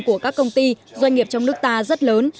của các công ty doanh nghiệp trong nước ta rất lớn